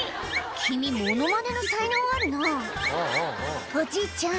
君モノマネの才能あるな「おじいちゃん